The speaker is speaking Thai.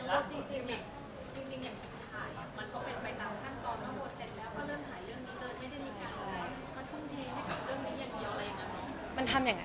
แฟนคลับของคุณไม่ควรเราอะไรไง